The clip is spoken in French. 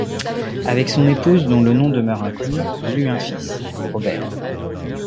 Avec son épouse dont le nom demeure inconnu, il eut un fils, Robert.